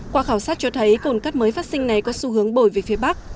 qua khảo sát cho thấy cồn cát mới phát sinh này có xu hướng bồi về phía bắc